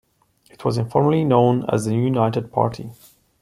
It was informally known as the United Party.